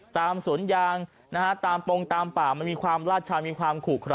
ตามสวนยางตามโปรงตามป่ามันมีความราชามีความขุก